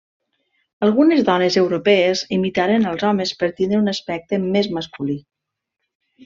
Algunes dones europees imitaren als homes per tindre un aspecte més masculí.